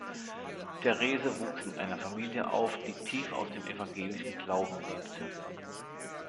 Therese wuchs in einer Familie auf, die tief aus dem evangelischen Glauben lebte.